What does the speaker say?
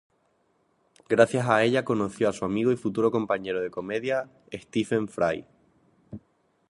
Gracias a ella, conoció a su amigo y futuro compañero de comedia Stephen Fry.